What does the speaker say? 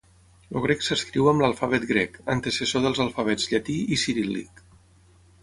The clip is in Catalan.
El grec s'escriu amb l'alfabet grec, antecessor dels alfabets llatí i ciríl·lic.